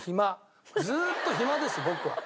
ずっと暇です僕は。